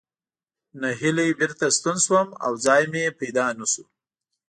نهیلی بېرته ستون شوم او ځای مې پیدا نه شو.